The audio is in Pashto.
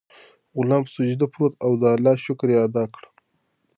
غلام په سجده پریووت او د الله شکر یې ادا کړ.